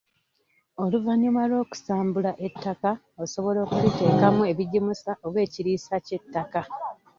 Oluvannyuma lw'okusambula ettaka osobola okuliteekamu ebigimusa oba ekiriisa ky'ettaka.